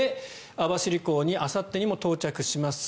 網走港にあさってにも到着します。